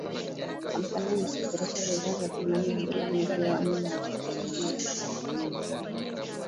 Kampala inasafirisha bidhaa za thamani ya dola milioni sabini na nne